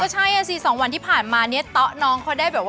ใช่สิ๒วันที่ผ่านมาเนี่ยเตาะน้องเขาได้แบบว่า